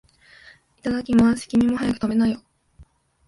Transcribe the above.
いただきまーす。君も、早く食べなよ。